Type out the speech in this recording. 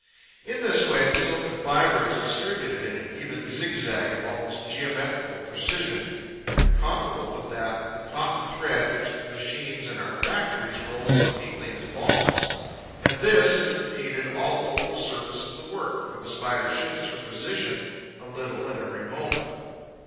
In this way, the silken fibre is distributed in an even zigzag, of almost geometrical precision and comparable with that of the cotton thread which the machines in our factories roll so neatly into balls. And this is repeated all over the surface of the work, for the Spider shifts her position a little at every moment.